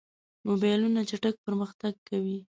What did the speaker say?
موبایلونه چټک پرمختګ کوي.